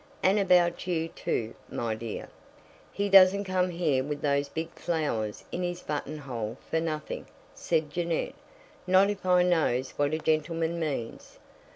"And about you, too, my dear." "He doesn't come here with those big flowers in his button hole for nothing," said Jeannette, "not if I knows what a gentleman means."